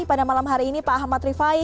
pada malam hari ini pak ahmad rifai